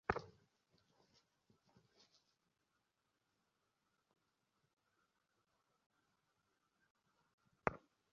অর্থাৎ, শুনতে সুন্দর কিন্তু করতে অসাধ্য!